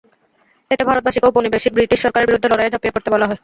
এতে ভারতবাসীকে ঔপনিবেশিক ব্রিটিশ সরকারের বিরুদ্ধে লড়াইয়ে ঝাঁপিয়ে পড়তে বলা হয়।